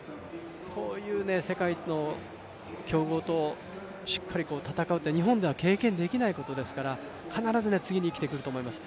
こういう世界の強豪としっかり戦うって日本では経験できないことですから必ず次に生きてくると思います。